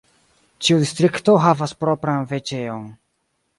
Ĉiu distrikto havas propran veĉeon.